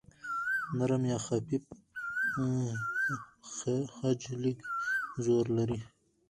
نرم یا خفیف خج لږ زور لري.